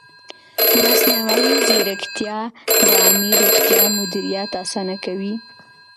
مصنوعي ځیرکتیا د عامې روغتیا مدیریت اسانه کوي.